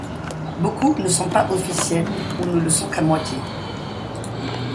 Beaucoup ne sont pas officiels ou ne le sont qu'à moitié.